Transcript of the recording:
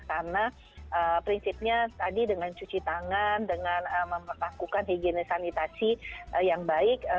karena prinsipnya tadi dengan cuci tangan dengan memperlakukan higiena sanitasi yang baik